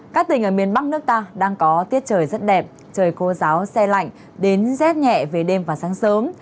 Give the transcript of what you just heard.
các tỉnh ở miền bắc nước ta đang có tiết trời rất đẹp trời khô giáo xe lạnh đến rét nhẹ về đêm và sáng sớm